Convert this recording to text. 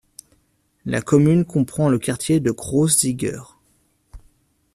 La commune comprend le quartier de Groß Zicker.